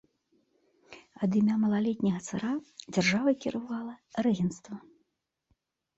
Ад імя малалетняга цара дзяржавай кіравала рэгенцтва.